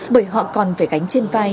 bởi họ còn phải gánh trên vai